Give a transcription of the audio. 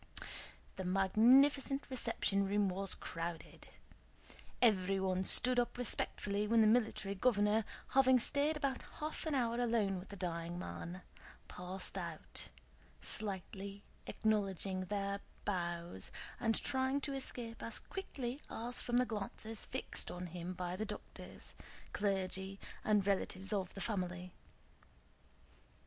The magnificent reception room was crowded. Everyone stood up respectfully when the Military Governor, having stayed about half an hour alone with the dying man, passed out, slightly acknowledging their bows and trying to escape as quickly as possible from the glances fixed on him by the doctors, clergy, and relatives of the family.